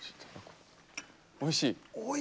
おいしい？